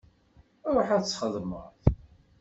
Ṛuḥ ad txedmeḍ.